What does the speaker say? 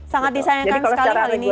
sangat disayangkan sekali hal ini ya